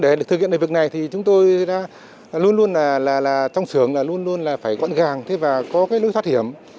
để thực hiện việc này thì chúng tôi luôn luôn là trong sưởng luôn luôn là phải gọn gàng có lối thoát hiểm